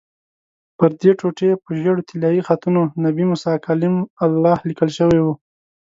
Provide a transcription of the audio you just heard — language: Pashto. پردې ټوټې په ژېړو طلایي خطونو 'نبي موسی کلیم الله' لیکل شوي وو.